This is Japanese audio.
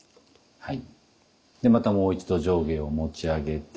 はい。